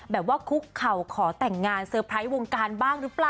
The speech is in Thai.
ว่าคุกเข่าขอแต่งงานเซอร์ไพรส์วงการบ้างหรือเปล่า